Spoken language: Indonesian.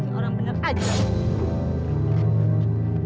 seorang bener aja